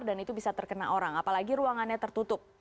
dan itu bisa terkena orang apalagi ruangannya tertutup